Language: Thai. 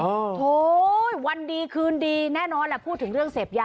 โอ้โหวันดีคืนดีแน่นอนแหละพูดถึงเรื่องเสพยา